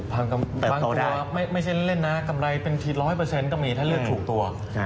บางตัวไม่ใช่เล่นนะกำไรเป็นที๑๐๐ก็มีถ้าเลือกถูกตัว